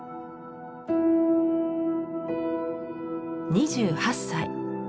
２８歳。